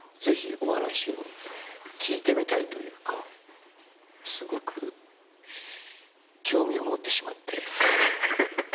ぜひお話を聞いてみたいというかすごく興味を持ってしまって。